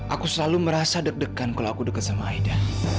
aku selalu merasa deg degan kalau aku dekat sama aida